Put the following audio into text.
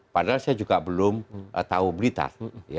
padahal saya juga belum tahu blitar